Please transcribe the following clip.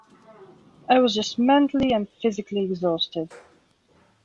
I was just mentally and physically exhausted.